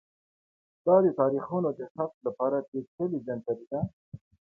دا د تاریخونو د ثبت لپاره پېچلی جنتري درلوده